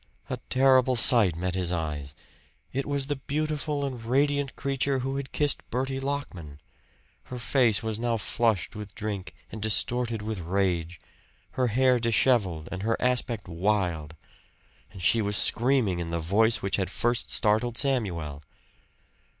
A terrible sight met his eyes. It was the beautiful and radiant creature who had kissed Bertie Lockman; her face was now flushed with drink and distorted with rage her hair disheveled and her aspect wild; and she was screaming in the voice which had first startled Samuel.